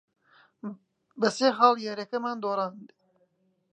بە سێ خاڵ یارییەکەمان دۆڕاند.